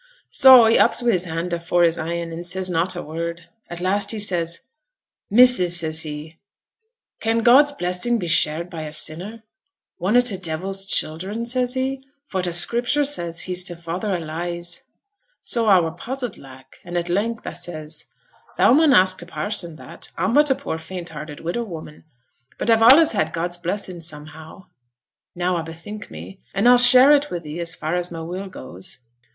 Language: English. So he ups wi' his hand afore his e'en, and says not a word. At last he says, "Missus," says he, "can God's blessing be shared by a sinner one o' t' devil's children?" says he. "For the Scriptur' says he's t' father o' lies." So a were puzzled like; an' at length a says, "Thou mun ask t' parson that; a'm but a poor faint hearted widow woman; but a've allays had God's blessing somehow, now a bethink me, an' a'll share it wi' thee as far as my will goes."